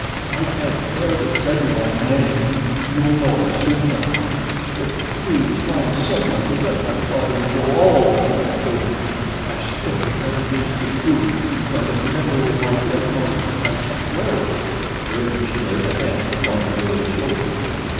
I can't bear to tell you my name you will know it soon enough but please find some way to let my father know all that I have told you I swear that it is the truth by the memory of my dead mother, I swear it!" Bridge laid a hand upon the girl's shoulder.